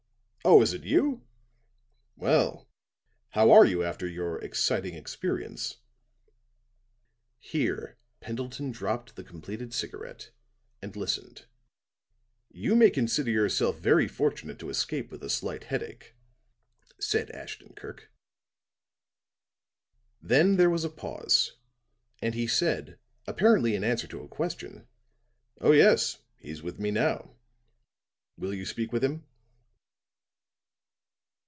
"Oh, is it you? Well, how are you after your exciting experience?" Here Pendleton dropped the completed cigarette and listened. "You may consider yourself very fortunate to escape with a slight headache," said Ashton Kirk. Then there was a pause, and he said, apparently in answer to a question: "Oh, yes, he's with me now. Will you speak with him?"